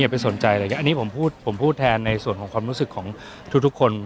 ไปสนใจอะไรอย่างนี้อันนี้ผมพูดผมพูดแทนในส่วนของความรู้สึกของทุกคน